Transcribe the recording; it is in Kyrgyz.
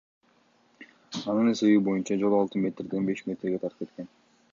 Анын эсеби боюнча, жол алты метрден беш метрге тарып кеткен.